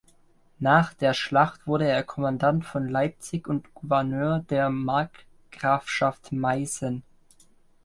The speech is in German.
Nach der Schlacht wurde er Kommandant von Leipzig und Gouverneur der Markgrafschaft Meißen.